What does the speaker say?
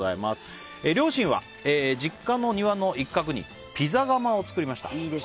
両親は実家の庭の一角にピザ窯を作りました。